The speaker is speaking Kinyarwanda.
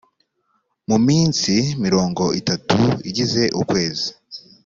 mu minsi mirongo itatu igize ukwezi .